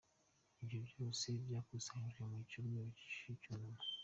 Ibi byose byakusanyijwe mu cyumweru cy’icyunamo.